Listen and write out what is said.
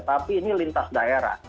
tapi ini lintas daerah